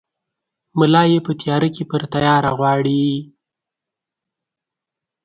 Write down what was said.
ملا ېې په تیاره کې پر تیاره غواړي!